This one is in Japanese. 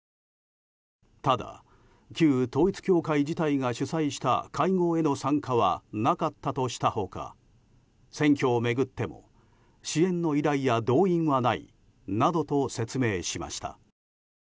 ただ、旧統一教会自体が主催した会合への参加はなかったとした他選挙を巡っても支援の依頼や動員はないなどと説明しました。